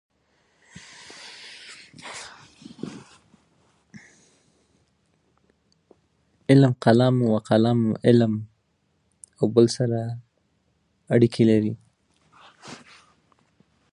لیکوال په همدې ویاړ ژوند کوي.